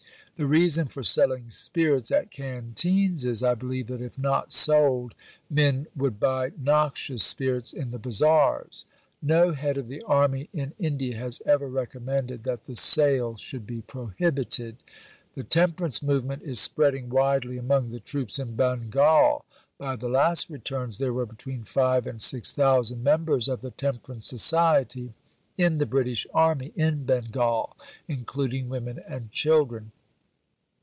The reason for selling spirits at canteens is, I believe, that if not sold men would buy noxious spirits in the bazaars. No head of the Army in India has ever recommended that the sale should be prohibited. The temperance movement is spreading widely among the troops in Bengal. By the last returns there were between 5 and 6 thousand members of the Temperance Society in the British Army in Bengal (including women and children).